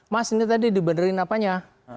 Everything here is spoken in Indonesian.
mas ini tadi dibenerin apanya